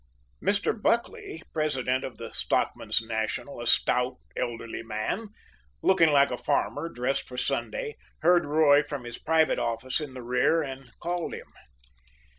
Mr. Buckley, president of the Stockmen's National a stout, elderly man, looking like a farmer dressed for Sunday heard Roy from his private office at the rear and called him.